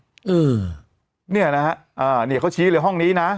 อืมเนี่ยนะฮะอ่าเนี่ยเขาชี้เลยห้องนี้นะ